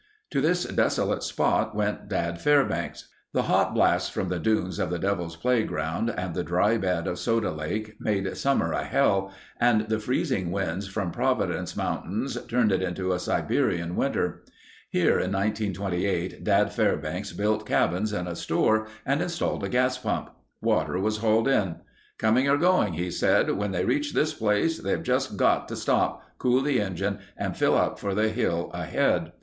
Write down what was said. To this desolate spot went Dad Fairbanks. The hot blasts from the dunes of the Devil's Playground and the dry bed of Soda Lake made summer a hell and the freezing winds from Providence Mountains turned it into a Siberian winter. Here in 1928 Dad Fairbanks built cabins and a store and installed a gas pump. Water was hauled in. "Coming or going," he said, "when they reach this place they've just got to stop, cool the engine, and fill up for the hill ahead."